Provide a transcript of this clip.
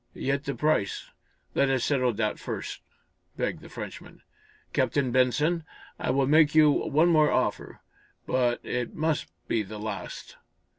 "Yet the price? Let us settle that first," begged the Frenchman. "Captain Benson, I will make you one more offer but it must be the last.